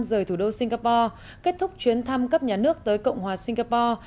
rời thủ đô singapore kết thúc chuyến thăm cấp nhà nước tới cộng hòa singapore